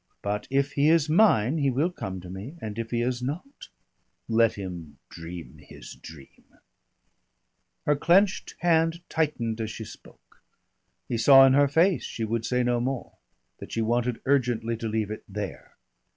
But if he is mine he will come to me, and if he is not Let him dream his dream." Her clenched hand tightened as she spoke. He saw in her face she would say no more, that she wanted urgently to leave it there.